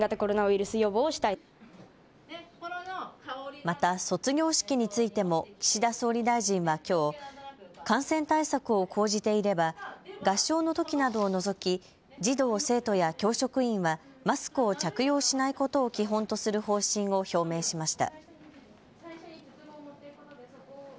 また卒業式についても岸田総理大臣はきょう、感染対策を講じていれば合唱のときなどを除き児童・生徒や教職員はマスクを着用しないことを基本とする方針を表明しました。